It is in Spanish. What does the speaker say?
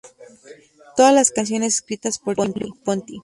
Todas las canciones escritas por Jean-Luc Ponty.